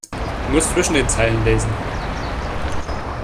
Du musst zwischen den Zeilen lesen.